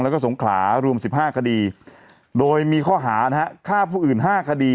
แล้วก็สงขลารวม๑๕คดีโดยมีข้อหานะฮะฆ่าผู้อื่น๕คดี